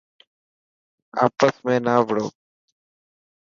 آپس ۾ نا وڙو.